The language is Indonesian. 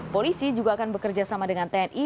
polisi juga akan bekerja sama dengan tni